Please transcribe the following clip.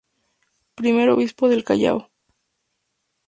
Primer Obispo del Callao.